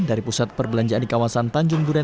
dari pusat perbelanjaan di kawasan tanjung duren